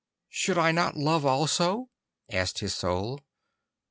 'Should I not love also?' asked his Soul.